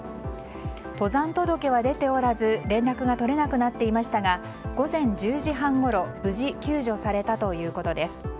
登山届は出ておらず連絡が取れなくなっていましたが午前１０時半ごろ無事救助されたということです。